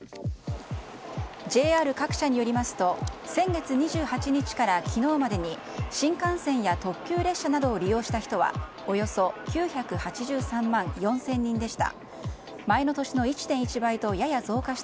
ＪＲ各社によりますと先月２８日から昨日までに新幹線や特急列車などを利用した人はおよそ９８３万４０００人でした。